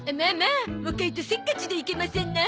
若いとせっかちでいけませんな。